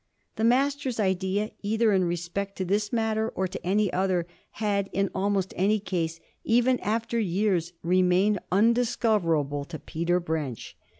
The Master's idea, either in respect to this matter or to any other, had in almost any case, even after years, remained undiscoverable to Peter Brench.